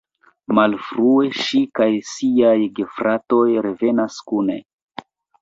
Malfrue, ŝi kaj siaj gefratoj revenas kune.